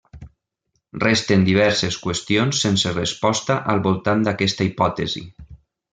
Resten diverses qüestions sense resposta al voltant d'aquesta hipòtesi.